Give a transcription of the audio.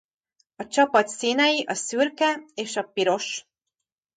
A csapat színei a szürke és a piros.